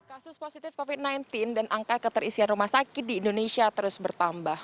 kasus positif covid sembilan belas dan angka keterisian rumah sakit di indonesia terus bertambah